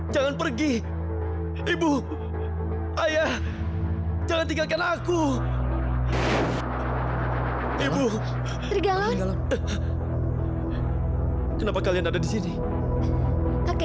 sampai jumpa di video selanjutnya